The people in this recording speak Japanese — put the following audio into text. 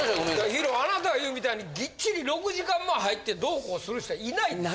Ｈｉｒｏあなたが言うみたいにぎっちり６時間前入ってどうこうする人はいないんですよ。